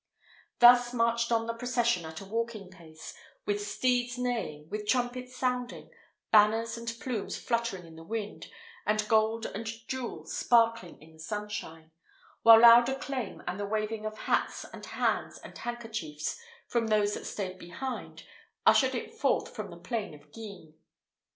Thus marched on the procession at a walking pace, with steeds neighing, with trumpets sounding, banners and plumes fluttering in the wind, and gold and jewels sparkling in the sunshine; while loud acclaim, and the waving of hats, and hands, and handkerchiefs, from those that stayed behind, ushered it forth from the plain of Guisnes.